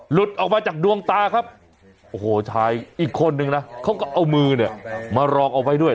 หลุดออกมาจากดวงตาครับโอ้โหชายอีกคนนึงนะเขาก็เอามือเนี่ยมารองเอาไว้ด้วย